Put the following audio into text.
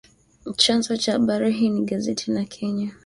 Chanzo cha habari hii ni gazeti la Kenya